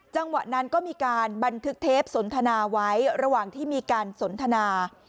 จังหวะนั้นก็มีการบันทึกเทปสนทนาไว้ระหว่างที่มีการสนทนา